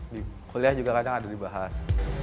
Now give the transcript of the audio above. di kuliah juga kadang ada dibahas